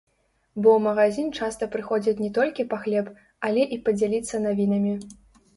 Бо ў магазін часта прыходзяць не толькі па хлеб, але і падзяліцца навінамі.